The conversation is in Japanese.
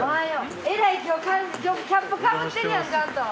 えらい今日キャップかぶってるやんちゃんと。